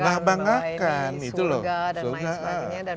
surga dan lain sebagainya